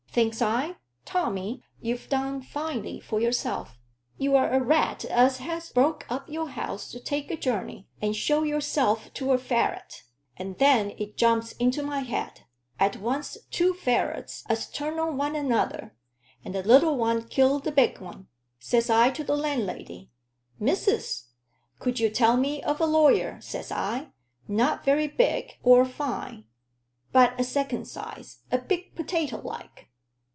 Thinks I, Tommy, you've done finely for yourself: you're a rat as has broke up your house to take a journey, and show yourself to a ferret. And then it jumps into my head: I'd once two ferrets as turned on one another, and the little un killed the big un. Says I to the landlady, 'Missus, could you tell me of a lawyer,' says I, 'not very big or fine, but a second size a big potato, like?'